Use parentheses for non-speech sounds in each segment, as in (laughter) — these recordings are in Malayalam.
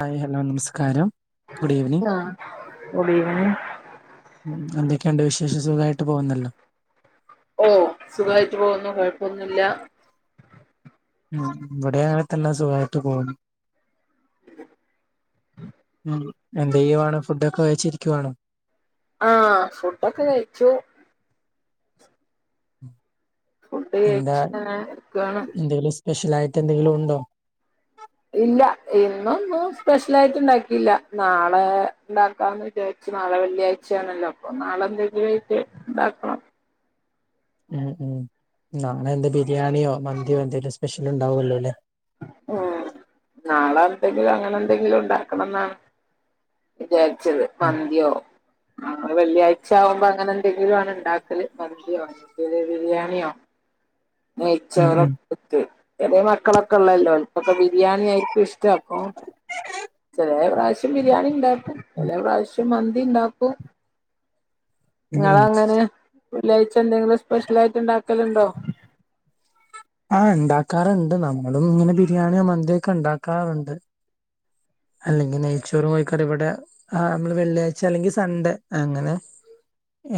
ഹായ് ഹലോ നമസ്കാരം good evening ah good evening ഉം എന്തൊക്കേണ്ട് വിശേഷം സുഖായിട്ട് പോവുന്നല്ലോ ഓഹ് സുഖായിട്ട് പോവുന്നു കൊഴപ്പൊന്നുല്ല ഉം ഇവടേം അങ്ങനതന്നെ സുഖായിട്ട് പോവുന്നു ഉം എന്തെയ്യുവാണ് ഫുഡൊക്കെ കഴിച്ചിരിക്ക്യുവാണോ ആഹ് ഫുഡൊക്കെ കഴിച്ചു ഉം ഫുഡ് എന്താ കഴിച്ചു ഇങ്ങനെ ഇരിക്കാണ് എന്തേലും സ്പെഷ്യലായിട്ട് എന്തെങ്കിലുണ്ടോ ഇല്ലാ ഇന്നൊന്നും സ്പെഷ്യലായിട്ട് ഇണ്ടാക്കീല്ല നാളെ ഇണ്ടാക്കാന്ന് വി ചാരിച്ച് നാളെ വെള്ളിയഴ്ച്ചയാണല്ലോ അപ്പൊ നാളെന്തെങ്കിലും ആയിട്ട് ഇണ്ടാക്കണം ഉം ഉം നാളെയെന്താ ബിരിയാണിയോ മന്തിയോ എന്തേലും സ്പെഷ്യലുണ്ടാവല്ലോ അല്ലേ ഉം നാളെ എന്തെങ്കിലും അങ്ങനെ എന്തെങ്കിലും ഇണ്ടാക്കണംന്നാണ് വിചാരിച്ചത് ഉം മന്തിയോ ആഹ് വെള്ളിയാഴ്ച ആവുമ്പോ അങ്ങനെന്തെങ്കിലും ആണ് ഇണ്ടാക്കല് മന്തിയോ (unintelligible) ബിരിയാണിയോ ഉം നെയ്ച്ചോറാ ഉം അട്പ്പത്ത് ചെറ്യേ മക്കളൊക്കെ ഇള്ളല്ലോ ഇപ്പൊക്കെ ബിരിയാണിയായിരിക്കും ഇഷ്ടം അപ്പോ ചെലേ പ്രാവശ്യം ബിരിയാണി ഇണ്ടാക്കും ചെലേ പ്രാവശ്യം മന്തിണ്ടാക്കും ഉം ഉം ഇങ്ങളെങ്ങനെയാ വെള്ളിയാഴ്ച എന്തെങ്കിലും സ്പെഷ്യലായിട്ട് ഇണ്ടാക്കല്ണ്ടോ ആഹ് ഇണ്ടാക്കാറ്ണ്ട് നമ്മളും ഇങ്ങനെ ബിരിയാണിയോ മന്തിയൊക്കെ ഇണ്ടാക്കാറുണ്ട് അല്ലെങ്കി നെയ്ച്ചോറും കോയിക്കറിം ഇവടെ ആഹ് ഞമ്മള് വെള്ളിയാഴ്ച അല്ലെങ്കി സൺഡേ അങ്ങനെ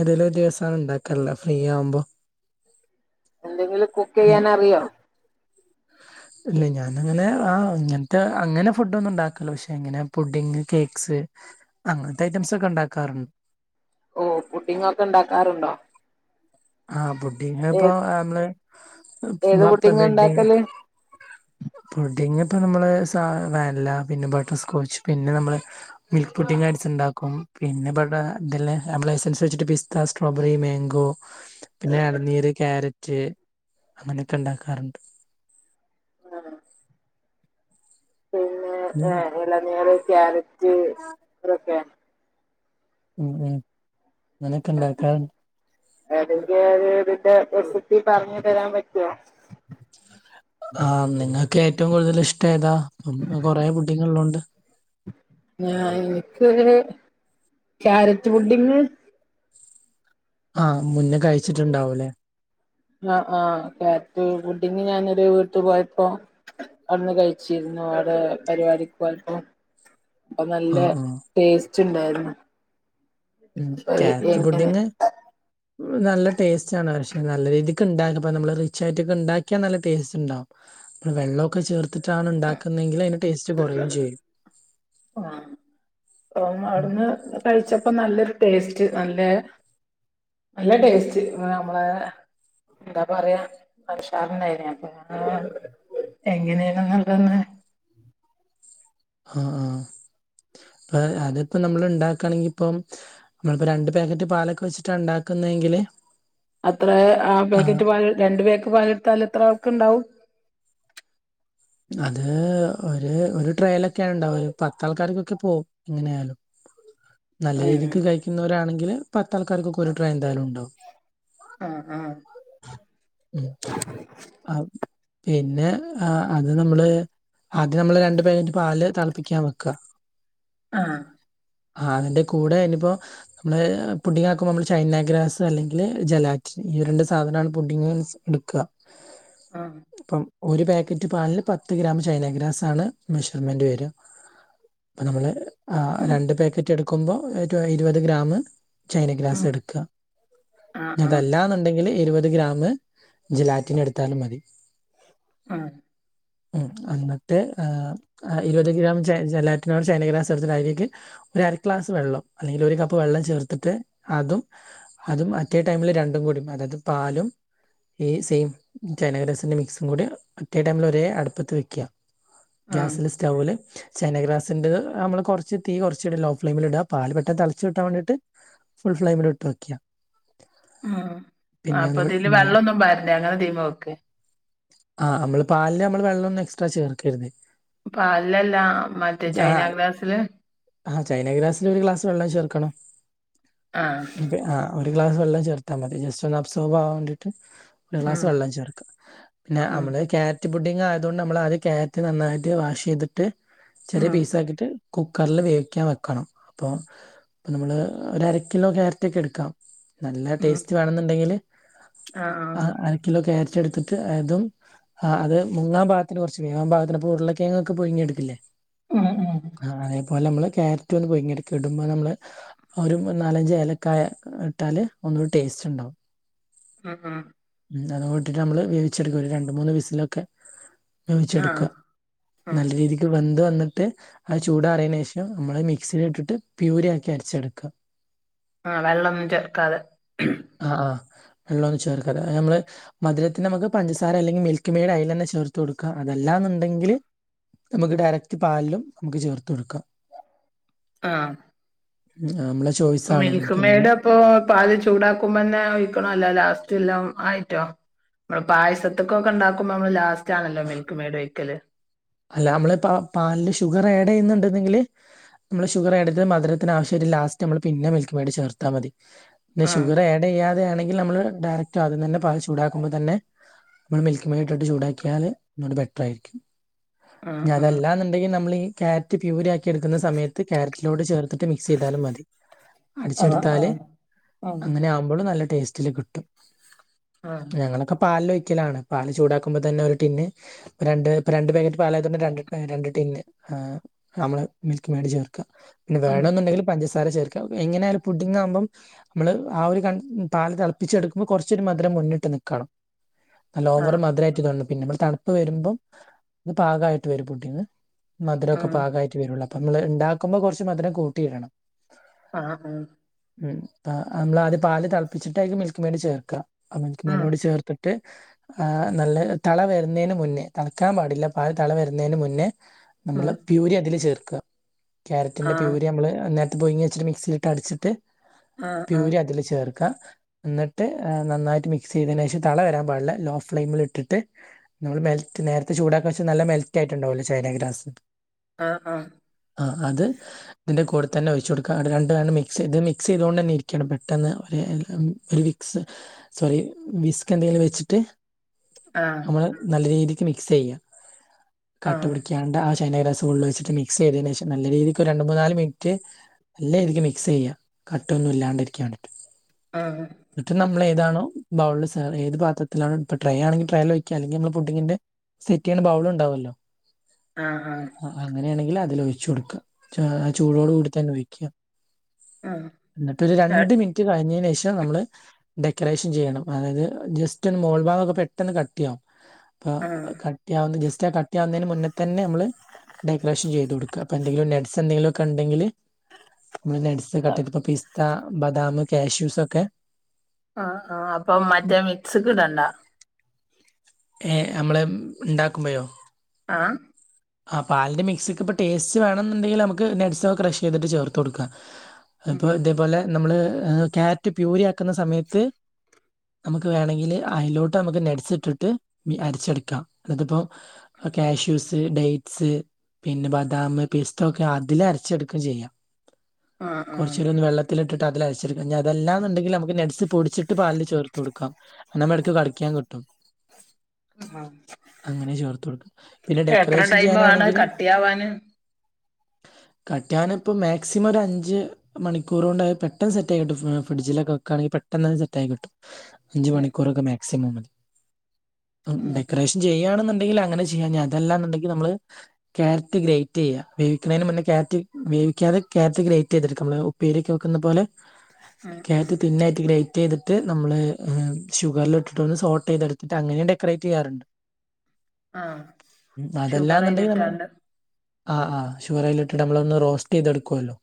ഏതേലൊര് ദിവസാണ് ഇണ്ടാക്കേള്ളെ ഫ്രീയാവുമ്പോ എന്തെങ്കിലും കുക്കെയ്യാൻ ഉം. അറിയോ ഇല്ല ഞാനങ്ങനെ ആ ഇങ്ങനത്തെ അങ്ങനെ ഫുഡ് ഒന്നും ഉണ്ടാക്കില്ല പക്ഷെ എങ്ങനെ പുഡിങ് കേക്ക്സ് അങ്ങനത്തെ ഐറ്റംസ് ഒക്കെ ഉണ്ടാക്കാറുണ്ട് ഓ പുഡിങ്ങ് ഒക്കെ ഉണ്ടാക്കാറുണ്ടോ ആഹ് പുഡിങ് ഏ ഇപ്പൊ നമ്മള് ഏത് അപ്പ പുഡിംഗ് വെഡ്ഡിങ് ഉണ്ടാക്കല് പുഡിങ് ഇപ്പ നമ്മള് സ വാനല പിന്നെ ബട്ടർസ്കോച്ച് പിന്നെ നമ്മള് മിൽക്ക് പുട്ടിങ്ങ് ആയിസ് ഉണ്ടാക്കും പിന്നെ ഇവട ഇതില് എസൻസ് വെച്ചിട്ട് പിസ്ത സ്ട്രോബെറി മാങ്കോ പിന്നെ ഇളനീര് ക്യാരറ്റ് അങ്ങനെയൊക്കെ ഉണ്ടാക്കാറുണ്ട് ആണ പിന്നെ ഏഹ് ഇളനീര് ക്യാരറ്റ് ഇതൊക്കെ ഉം ഉം അങ്ങനൊക്കെ ഉണ്ടാക്കാറുണ്ട് എതിന്റെ ഒരു ഇതിന്റെ റെസിപ്പി പറഞ്ഞു തരാൻ പറ്റുവോ ആഹ് നിങ്ങൾക്ക് ഏറ്റവും കൂടുതൽ ഇഷ്ടം ഏതാ കൊറെ പുഡിങ് ഉള്ളോണ്ട് ഞാ എനിക്ക് അങ്ങനെ ക്യാരറ്റ് പുഡിങ് ആഹ് മുന്നേ കഴിച്ചിട്ടുണ്ടാവൂലേ ആഹ് ആഹ് ക്യാരറ്റ് പുഡിങ് ഞാനൊരു വീട്ടി പോയപ്പോ അവിടുന്ന് കഴി ച്ചിരുന്നു അവിടെ പരിപാടിക്ക്പോയപ്പോ അപ്പൊ ആ നല്ല ആ ടേസ്റ്റ് ഉണ്ടായിരുന്നു ഉം അപ്പൊ ക്യാരറ്റ് എങ്ങനെ പുഡിങ് നല്ല ടേസ്റ്റ് ആണ് പക്ഷെ നല്ല രീതിക്ക് ഉണ്ടാക്കും ഇപ്പ നമ്മള് റിച്ചാ യിട്ടൊക്കെ ഉണ്ടാക്കിയാൽ നല്ല ടേസ്റ്റ് ഉണ്ടാവും വെള്ളമൊക്കെ ചേർത്തിട്ടാണ് ഉണ്ടാക്കുന്നതെങ്കില് അതിന്റെ ടേസ്റ്റ് കുറയുകയും ചെയ്യും ആഹ് അവിടുന്ന് കഴിച്ചപ്പോ നല്ലൊരു ടേസ്റ്റ് നല്ലെ നല്ല ടേസ്റ്റ് നമ്മളെ എന്താ പറയാ (unintelligible) എങ്ങനെയാണ് (unintelligible) ആഹ ആഹ അപ്പ അതിപ്പോ നമ്മൾ ഇണ്ടാക്കാണെങ്കി ഇപ്പം നമ്മളിപ്പോ രണ്ട് പാക്കറ്റ് പാലൊക്കെ വെച്ചിട്ടാണ് ഇണ്ടാക്കുന്നതെങ്കില് അത്ര ആ പാക്കറ്റ് പല് രണ്ട് പാക്ക് പാലെടുത്താൽ എത്ര ആൾക്ക് ഇണ്ടാവും അത് ഒരു ഒരു ട്രേലൊക്കെയാ ഇണ്ടാവല് ഒരു പത്താൾക്കാർക്കൊക്കെ പോവും ഇങ്ങനെ ആയാലും നല്ല ഏഹ് രീതിക്ക് കഴിക്കുന്നവരാണെങ്കില് പത്ത് ആൾക്കാർക്കൊക്കെ ഒരു ട്രേ എന്തായാലും ഉണ്ടാവും ആഹ് ആ ആ പിന്നെ അത് നമ്മള് ആദ്യം നമ്മള് രണ്ടു പാകറ്റ് പാല് തെളപ്പിക്കാൻ വെക്കുക ആഹ് ആ അതിന്റെ കൂടെ ഇനിപ്പോ നമ്മള് പുഡിങ്ങാക്കുമ്പോ നമ്മള് ചൈനാഗ്രാസ് അല്ലെങ്കിൽ ജലാറ്റിൻ ഈ രണ്ട് സാ അവനാണ് പുഡ്ഡിങ്ങ് എടുക്കുക ആഹ് ഇപ്പം ഒരു പാക്കറ്റ് പാലിൽ പത്ത് ഗ്രാം ചൈന ഗ്രാസ് ആണ് മെഷർമെന്റ് വര്ക അപ്പ നമ്മള് അ രണ്ട് പാക്കറ്റ് എടുക്കുമ്പോൾ ഒരു ഇരുപത് ഗ്രാമ് ചൈന ഗ്രാസ് ഉം എടുക്കുക ആഹ് അതല്ലാന്നുണ്ടെങ്കിൽ ഇരുപത് ഗ്രാമ് ജലാറ്റിന് എടുത്താലും മതി ആ ഉം ആന്നിട്ട് ആഹ് ഇരുപത് ഗ്രാം ജലാറ്റിനോ ചൈന ഗ്രാസ് എടുത്തിട്ട് അയ്ലേക്ക് ഒരു അര ക്ലാസ് വെള്ളം അല്ലെങ്കിൽ ഒരു കപ്പ് വെള്ളം ചേർത്തിട്ട് അതും അതും മറ്റേ ടൈമില് രണ്ടും കൂടീ അതായത് പാലും ഈ സെയിം ചൈനഗ്രാസിന്റെ മിക്സും കൂടി മറ്റേ ടൈമിൽ ഒരേ അടുപ്പത്ത് വെക്കുക ആഹ് ഗ്യാസില് സ്റ്റൗവില് ചൈനഗ്രാസിന്റെ നമ്മള് കുറച്ച് തീ കുറച്ച് ലോ ഫ്ലെയിമിൽ ഇടുക പാല് പെട്ടെന്ന് തെളച്ച് കിട്ടാൻ വേണ്ടീട്ട് ഫുൾഫ്ളൈയ്മിലിട്ട് വെയ്ക്കുക ഉം അപ്പൊതില് ഒന്ന് വെള്ളൊന്നും പാടില്ലേ അങ്ങനെ തീമ വെക്കെ ആഹ് നമ്മള് പാലില് നമ്മള് വെള്ളം ഒന്നും എക്സ്ട്രാ ചേർക്കരുത് പാലിലല്ല മറ്റേ ചൈന ഗ്രാസില് ആഹ് ചൈന ഗ്രാസില് ഒരു ഗ്ലാസ് വെള്ളം ചേർക്കണം ആഹ് ഇനീപ്പ ആ ഒരു ഗ്ലാസ് വെളളം ചേർത്താൽ മതി ജസ്റ്റ് ഒന്ന് അബ്സോർവ് ആവാൻവേണ്ടിട്ട് ഒരു ഗ്ലാസ് ഉം വെള്ളം ചേർക്ക പിന്നെ ഉം നമ്മള് ക്യാ രറ്റ് പുഡിങ്ങ് ആയത് കൊണ്ട് നമ്മള് ആദ്യം കാരറ്റ് നന്നായിട്ട് വാഷ് ചെയ്തിട്ട് ചെറിയ ഉം പീസ് ആക്കിയിട്ട് കുക്കറ്ല് വേവിക്കാൻ വെക്കണം അപ്പൊ അപ്പൊ നമ്മള് ഒര് അരക്കിലോ ക്യാരറ്റ് ഒക്കെ എടുക്കാം നല്ല ഉം ടേസ്റ്റ് വേണെന്നുണ്ടെങ്കില് ആഹ് ആ ആഹ് അര കിലോ ക്യാരറ്റ് എടുത്തിട്ട് അതും ആഹ അത് മുങ്ങാൻ പാകത്തിന് കുറച്ച് വേകാൻ പാകത്തിന് അപ്പൊ ഉരുളക്കിഴങ്ങ് ക്കെ പുഴങ്ങിടുക്കൂല്ലേ ഉം ഉം ആ അതേപോലെ നമ്മള് കാരറ്റ് ഒന്ന് പുഴങ്ങിയെടുക്ക ഇടുമ്പോ നമ്മള് ഒരു നാലഞ്ച് ഏലക്കായ ഇട്ടാല് ഒന്നുകൂടി ടേസ്റ്റ് ഉണ്ടാവും ഉം ഉം ഉം അതുട്ടിട്ട് നമ്മള് വേവിച്ചെടുക്കും ഒരു രണ്ട് മൂന്ന് വിസിലൊക്കെ ആഹ് വേവിച്ചെടുക്കുക ഉം നല്ല രീതിക്ക് വെന്ത് വന്നിട്ട് ആ ചൂട് അറിയേന് ശേഷം നമ്മള് മിക്സില് ഇട്ടിട്ട് പ്യൂരി ആക്കി അരച്ചെടുക്കുക ആ വെള്ളൊന്നും ചേർക്കാതെ ആ ആ വെള്ളൊന്നും ചേർക്കാതെ നമ്മള് മധുരത്തിന് നമുക്ക് പഞ്ചസാര അല്ലെങ്കിൽ മിൽക്ക് മെയ്ഡ് അയില് തന്നെ ചേർത്ത് കൊടുക്കാം അതല്ലാന്നുണ്ടെങ്കില് നമുക്ക് ഡയറക്റ്റ് പാലിലും നമുക്ക് ചേർത്ത് കൊടുക്കാം ആഹ് നമ്മളെ ചോയ്സ് മിൽക്ക് മെയ്ഡ് അപ്പൊ പാല് ചൂടാക്കുമ്പന്നെ ഒഴിക്കണോ അല്ല ലാസ്റ്റ് എല്ലാം ആയിട്ടോ മ്മള് പായസത്ത് ഒക്കെ ഇണ്ടാക്കുമ്പോ നമ്മള് ലാസ്റ്റ് ആണല്ലോ മിൽക്ക് മെയ്ഡ് ഒഴിക്കല് അല്ല നമ്മള് പ പാലില് ഷുഗർ ആഡ്യ്യ്ന്ന്ണ്ട്ങ്കില് നമ്മള് ഷുഗർ എടുത്ത് മധുരത്തിനാവശ്യമായിട്ട് ലാസ്റ്റ് നമ്മള് പിന്നെ മിൽക്ക് മെയ്ഡ് ചേർത്താമതി പിന്നെ ആഹ് ഷുഗർ ആഡയ്യാതെയാണെങ്കി നമ്മള് ഡയറക്റ്റ് ആദ്യം തന്നെ പാല് ചൂടാക്കുമ്പോ തന്നെ നമ്മൾ മിൽക്ക് മേഡ് ഇട്ടിട്ട്ചൂടാക്കിയാല് ഒന്നൂടെ ബെറ്ററായിരിക്കും ആഹ് ആഹ് അതല്ലാന്ന്ണ്ടെങ്കി നമ്മളീ ക്യാരറ്റ് പ്യൂര് ആക്കി എട്ക്കുന്ന സമയത്ത് ക്യാരറ്റ് ലോട്ട് ചേർത്തിട്ട് മിക്സ് ചെയ്താലും മതി ആഹ് അട്ച്ചെടുത്താല് ആഹ് അങ്ങനെ ആവുമ്പളും നല്ല ടേസ്റ്റില് കിട്ടും ആഹ് ഞങ്ങളൊക്കെ പാലൊയ്ക്കലാണ് പാല് ചൂടാക്കുമ്പോ തന്നെ ഒരു ടിന്ന് രണ്ട് രണ്ട് പാക്കറ്റ് പാലായതുകൊണ്ട ന്നെ രണ്ട് രണ്ട് ടിന്ന് ആഹ് നമ്മള് മിൽക്ക് മേഡ് ചേർക്ക വേണെന്നുണ്ടെങ്കില് പഞ്ചസാര ചേർക്കാ എങ്ങനെയാലും പുഡ്ഡിംങ്ങ് ആകുമ്പം നമ്മള് ആ ഒരു കൺ പാല് തെളപ്പിച്ചെടുക്കുമ്പോ കുറച്ചൊരു മധുരം മുന്നിട്ട് നിക്കണം നല്ല ഓവർ മധുരായിട്ട് തോന്നും പിന്നെപ്പ തണുപ്പ് വരുമ്പം അത് പാകായിട്ട് വരും പുഡ്ഡിംഗ് ഉം മധുരൊക്കെ പാകായിട്ട് വരുള്ള അപ്പമ്മള് ഇണ്ടാക്കുമ്പോ കുറച്ച് മധുരം കൂട്ടിയിടണം ആഹ് ആഹ് ഉം അപ്പ നമ്മള് ആദ്യം പാല് തെളപ്പിച്ചിട്ട് അയിക്ക് മിൽക്ക് മേഡ് ചേർക്കാം മിൽക്ക് ഉം മേഡൂടി ചേർത്ത്ട്ട് ആഹ് നല്ല തള വര്ന്നീന് മുന്നേ തെളക്കാൻ പാടില്ല അത് തെള വരുന്നേന് മുന്നേ നമ്മള് ഉം പ്യൂരി അതില് ചേർക്ക ക്യാരറ്റിന്റെ ആഹ് പ്യൂരി അമ്മള് നേരത്തെ പുയിങ്ങി വെച്ച മിക്സിയിലിട്ട് അടിച്ച്ട്ട് ആഹ് പ്യൂരി അതില് ചേർക്ക് ക്കഎന്ന്ട്ട് നന്നായിട്ട് മിക്സയ്തതിനേഷം തള വരാൻ പാടില്ല ലോ ഫ്ലെയിമില് ഇട്ടിട്ട് നമ്മള് മെൽറ്റ് നേരത്തെ ചൂടാക്കാവെച്ച നല്ല മെൽറ്റായിട്ടുണ്ടാവൂല്ലേ ചൈനാ ഗ്രാസ് ആഹ് ആഹ് ആഹ് അത് ഇതിന്റെ കൂടെ തന്നെ ഒയിച്ച് കൊടുക്ക ആട് രണ്ടേ മിക്സ് ചെയ്ത് മിക്സ് ചെയ്തുകൊണ്ടന്നെ ഇരിക്കണം പെട്ടെന്ന് (unintelligible) സ് സോറി വിസ്ക് എന്തെലും വെച്ചിട്ട് ആഹ് നമ്മള് നല്ല രീതിക്ക് മിക്സെയ്യ ആഹ് കട്ട ആഹ് പിടിക്കാണ്ട ആഹ് ചൈനേഗ്രാസ് ഫുള്ള് വെച്ചിട്ട് മിക്സ് ചെയ്തതിനേഷം നല്ല രീതിക്ക് ഒരു രണ്ട് മൂന്നാല് മിന് റ്റ് നല്ലേഇരിക്ക് മിക്സ് ചെയ്യ കട്ടൊന്നും ഇല്ലാണ്ട് ഇരിക്കാൻ വേണ്ടീട്ട് ആഹ് എന്നിട്ട് നമ്മള് ഏതാണോ ബൗളിൽ സെ ഏത് പത്രത്തിലണോ ഇപ്പ ട്രൈ ആണെങ്കി ട്രയല് ഒയ്ക്ക അല്ലെങ്കി നമ്മള് പുഡിങ്ങിന്റെ ക്കെൻ ബൗള് ഇണ്ടാവുല്ലോ ആഹ് ആഹ് അ അങ്ങനെയാണെങ്കി അതില് ഒയിച്ച് കൊടുക്കാആ് ചൂടോട് കൂടി തന്നെ ഒയ്ക്കാ ആഹ് ആഹ് ആഹ് ന്ന്ട്ടൊരു ര രണ്ട് മിനിറ്റ് കഴിഞ്ഞേന് ശേഷം നമ്മള് ഡെക്കറേഷൻ ചെയ്യണം അതായത് ജസ്റ്റ് ഒന്ന് മോൾ ഭാഗൊക്കെ പെട്ടെന്ന് കട്ടിയാവും ഇപ്പ ആഹ് കട്ടിയാവുന്ന ജസ്റ്റ് ആഹ് കട്ടിയാവുന്നതിന് മുന്നതെന്നെ നമ്മള് ഡെക്കറേഷൻ ചെയ്തു കൊടുക്ക പ്പൊ എന്തെങ്കിലും നെഡ്സ് എന്തെങ്കിലുക്കെ ഇണ്ടെങ്കില് നമ്മ നട്സ് ആഹ് ഇത്കട്ടെയ്തിപ്പ പിസ്ത ബദാം കാഷ്യൂസ് ഒക്കെ ആഹ് ആഹ് അപ്പം മറ്റേ മിക്സ്ക്ക് ഇടണ്ട ഏഹ് നമ്മള് ഇണ്ടാക്കുമ്പയോ ആഹ് ആഹ് പാലിന്റെ മിക്സിക്കിപ്പ ടേസ്റ്റ് വേണംന്ന്ണ്ടെങ്കില് നമക്ക് നഡ്സാെന്ന് ക്രഷയ്ത്ട്ട് ചേർത്ത് കൊടുക്കാം ഉം അപ്പൊ ഇതേപോലെ നമ്മള് ക്യാരറ്റ് പ്യൂരി ആക്ക്ന്ന സമയത്ത് നമുക്ക് വേണങ്കില് അയിലോട്ട് നമുക്ക് നട്സിട്ടിട്ട് അരച്ചെടുക്കാം അതിപ്പോ കാഷ്യൂസ് ഡേറ്റ്സ് പിന്നെ ബദാം പിസ്ത ഒക്കെ അതില് അരച്ചെടുക്കയും ചെയ്യാം ആഹ് ആഹ് കൊറച്ചൂടൊന്ന് വെള്ളത്തി ത്തിലിട്ട് അതിലരച്ചടുക്കാം ഇനി അതല്ലാന്നുണ്ടെങ്കിൽ നമുക്ക് നട്സ് പൊടിച്ചിട്ട് പാലില് ചേർത്ത് കൊടുക്കാം നമ്മ എടക്ക് കടിക്കാൻ കിട്ടും ആഹ് അങ്ങനെ ചേർത്ത് കൊടുക്കും പിന്നെ എത്ര ഡെക്കറേഷൻ ടൈം വേണം ചെയ്യാനാണെങ്കില് കട്ടിയാവാന് കട്ടിയാവാനിപ്പം മാക്സിമം ഒരു അഞ്ച് മണിക്കൂർ കൊണ്ട്ത് പെട്ടെന്ന് സെറ്റായികിട്ടും ഫ്രിഡ്ജിലെക്കെ വക്കുകാണെങ്കി പെട്ടന്ന് തന്ന സെറ്റായി കിട്ടും അഞ്ച് ഉം മണിക്കൂറൊക്കെ മാക്സിമം മതി ഉം ഡെക്കറേഷൻ ചെയ്യാണെന്നുണ്ടെങ്കിൽ അങ്ങനെ ചെയ്യാം ഇഞ് അതല്ലാന്നുണ്ടെങ്കി നമ്മള്.. ക്യാരറ്റ് ഗ്രേറ്റ് ചെയ്യാം വേവിക്കണേന് മുന്നേ ക്യാരറ്റ് വേവിക്കാതെ ക്യാരറ്റ് ഗ്രേറ്റ് ചെയ്തെടുക്കാം നമ്മള് ഉ പ്പേരിയൊക്കെ വക്കുന്ന പോലെ ആഹ് ക്യാരറ്റ് തിന്നായിട്ട് ഗ്രേറ്റ് ചെയ്തിട്ട് നമ്മള് ഷുഗറിൽ ഇട്ടിട്ടൊന്ന് സോട്ട് ചെയ്തെടുത്തിട്ട് അങ്ങനെയുണ്ടാ ക്രേറ്റ് ചെയ്യാറുണ്ട്, ആഹ് ഷുഗർ അതല്ലാന്നുണ്ടെങ്കി നമ്മള് അയിലിട്ടാണ്ട് ആഹ് ആഹ് ഷുഗറ് അയിലിട്ടിട്ട് നമ്മളൊന്ന് റോസ്റ്റ് ചെയ്തടുക്കുവല്ലോ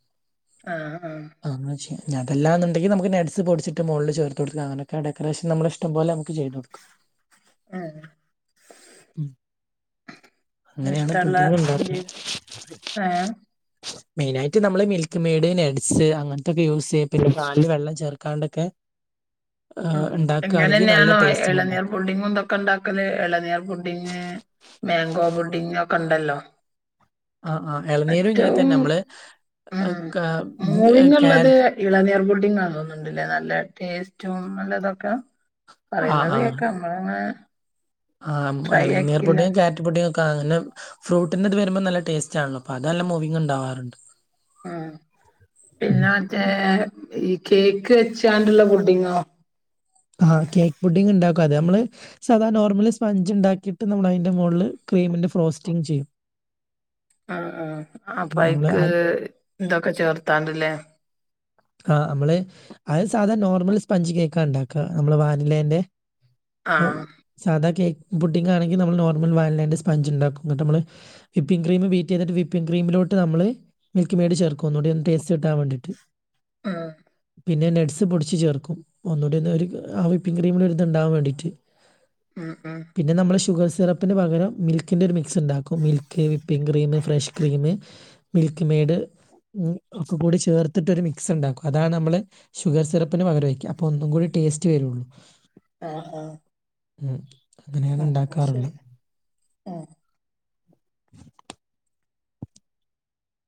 ആഹ് ആഹ് ആഹ് അങ്ങനെ ചെയ്യാം ഇനി അതല്ലാന്നുണ്ടെങ്കി നമക്ക് നഡ്‌സ് പൊടിച്ചിട്ട് മോളില് ചേർത്ത് കൊടുക്കാം, അങ്ങനൊക്കെ ഡെക്കറേഷൻ നമ്മള ഇഷ്ടം പോലെ നമുക്ക് ചെയ്ത് കൊടുക്കാം ആഹ് ഉം, അങ്ങനെയാണ് ഇഷ്ടല്ല പുഡിംഗ് എന്ത് ആഹ ആ മെയിനായിട്ട് നമ്മള് മിൽക്ക് മെയ്ഡ്, നെഡ്സ് അങ്ങനത്തൊക്കെ യൂസ് ചെയ്യും, പിന്നെ പാലില് വെള്ളം ചേർക്കാണ്ടൊക്കെ ഏഹ് ആഹ് ഇങ്ങനെ ഇണ്ടാക്കാണെങ്കി നല്ല തന്നെയാണോ ടേസ്റ്റില് ഇളനീർ ഇണ്ടാക്കാം പുഡി നിങ്ങ എന്തൊക്കെ ഇണ്ടാക്കല് ഇളനീർ പുഡിങ്, മാങ്കോ പുഡിങ്ങൊക്കെ ഉണ്ടല്ലോ ആഹ് ആഹ് എളനീരും ഇങ്ങനെ ഏറ്റവും തന്നെ നമ്മള് ആഹ് കാ മൂവിങ്ങ് ക്യാര ഉള്ളത് ഇളനീർ പുഡിങ്ങാണന്നുണ്ടല്ലേ നല്ല ടേസ്റ്റും നല്ലതൊക്കെ ആഹ് പറയുന്നത് ആഹ് കേക്കാം നമ്മളന്ന ആഹ് എളനീർ പുഡിങും കാ രറ്റ് പുഡിങ്ങൊക്കെ അങ്ങനെ ഫ്രൂട്ടിൻ്റിത് വരുമ്പോ നല്ല ടേസ്റ്റ് ആണല്ലൊ അപ്പൊ അത് നല്ല മൂവിംഗ് ഉണ്ടാവാറുണ്ട് ആഹ് പിന്നെ മറ്റേ ഈ കേക്ക് വച്ചാണ്ടുള്ള പുഡിങ്ങോ ആഹ് കേക്ക് പുഡിങ്ങ് ഉണ്ടാക്കും അത് നമ്മള് സാധാ നോർമല് സ്പഞ്ച് ഉണ്ടാക്കിയിട്ട് നമ്മളയിന്റെ മോളില് ക്രീമിന്റെ ഫ്രോസ്റ്റിങ് ചെയ്യും ആഹ് ആഹ് നമ്മള് അപ്പൈക്ക് ആ ഇതൊക്കെ ചേർത്താണ്ടല്ലേ ആഹ് നമ്മള് അത് സാധാ നോർമൽ സ്പഞ്ച് കേക്കാ ഉണ്ടാക്കുക നമ്മള് വാനിലേന്റെ ഇപ്പ ആഹ് സാധാ കേക്ക് പുഡിങ്ങാണെങ്കി നമ്മള് നോർമൽ വാനിലേന്റെ സ്പഞ്ച് ഉണ്ടാക്കും കേട്ടൊ നമ്മള് വിപ്പിംഗ് ക്രീം ബീറ്റ് ചെയ്തിട്ട് വിപ്പിം ക്രീമിലോട്ട് നമ്മള് മിൽക്ക് മെയ്ഡ് ചേർക്കും ഒന്നൂടെ ഒന്ന് ടേസ്റ്റ് കിട്ടാൻ വേണ്ടിട്ട് ആഹ് പിന്നെ നെഡ്സ് പൊടിച്ച് ചേർക്കും ഒന്നുകൂടി ഒന്ന് ഒരു ആ വിപ്പിംഗ് ക്രീമിൽ ഒരിത് ഉണ്ടാവാൻ വേണ്ടിയിട്ട് ആഹ് ആഹ് പിന്നെ നമ്മള് ഷുഗർ സിറപ്പിന് പകരം മിൽക്കിൻ്റെ ഒരു മിക്സ് ഉണ്ടാക്കും, milk, whipping cream, fresh cream Milkmaid ഒക്കെ കൂടി ചേർത്തിട്ടൊരു മി മിക്സ് ഉണ്ടാക്കും അതാണ് നമ്മള് ഷുഗർ സിറപ്പിന് പകരൊഴിക്കുക, അപ്പൊ ഒന്നും കൂടി ടേസ്റ്റ് വരുള്ളൂ ആഹ് ആഹ് ഉം അങ്ങനെയാണ് ആഹ് ആഹ് ഉണ്ടാക്കാറുള്ളത് ശരി. ആഹ്